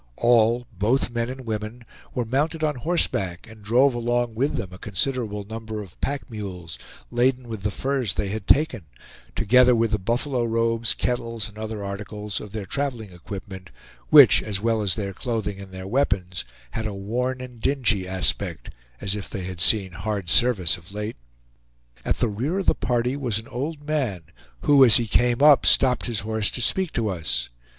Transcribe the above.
All, both men and women, were mounted on horseback, and drove along with them a considerable number of pack mules, laden with the furs they had taken, together with the buffalo robes, kettles, and other articles of their traveling equipment, which as well as their clothing and their weapons, had a worn and dingy aspect, as if they had seen hard service of late. At the rear of the party was an old man, who, as he came up, stopped his horse to speak to us.